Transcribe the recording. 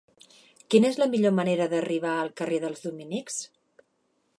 Quina és la millor manera d'arribar al carrer dels Dominics?